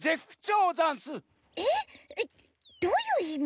えっどういういみ？